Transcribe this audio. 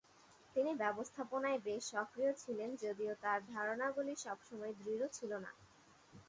তিনি ব্যবস্থাপনায় বেশ সক্রিয় ছিলেন, যদিও তাঁর ধারণাগুলি সবসময় দৃঢ় ছিল না।